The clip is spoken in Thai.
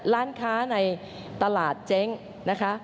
ร้านค้าในตลาดเจ๊งนะคะ